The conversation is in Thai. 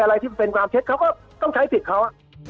อะไรที่เป็นความเท็จเขาก็ต้องใช้สิทธิ์เขา